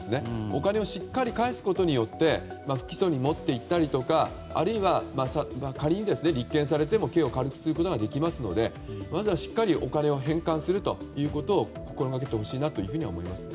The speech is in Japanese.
お金をしっかり返すことで不起訴に持っていったりとかあるいは仮に立件されても刑を軽くすることができますのでまずはしっかりお金を返還するということを心掛けてほしいと思います。